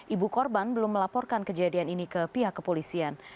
ibu korban belum melaporkan kejadian ini ke pihak kepolisian